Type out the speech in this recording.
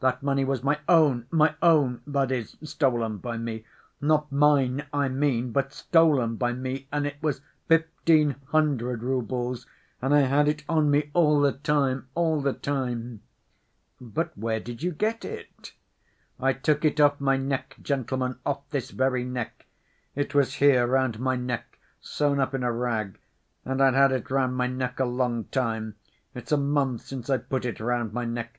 That money was my own, my own, that is, stolen by me ... not mine, I mean, but stolen by me, and it was fifteen hundred roubles, and I had it on me all the time, all the time ..." "But where did you get it?" "I took it off my neck, gentlemen, off this very neck ... it was here, round my neck, sewn up in a rag, and I'd had it round my neck a long time, it's a month since I put it round my neck